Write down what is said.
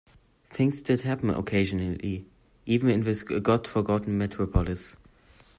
Things did happen occasionally, even in this God-forgotten metropolis.